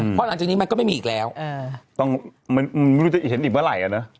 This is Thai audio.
เพราะหลังจากนี้มันก็ไม่มีอีกแล้วไม่รู้จะเห็นอีกเมื่อไหร่อ่ะนะ